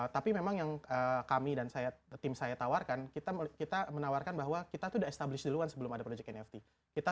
tapi memang yang kami dan tim saya tawarkan kita menawarkan bahwa kita tuh udah established duluan sebelum ada project nft